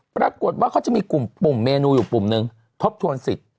ปรากฏว่าเขาจะมีกลุ่มเมนูอยู่ปุ่มหนึ่งทบทวนสิทธิ์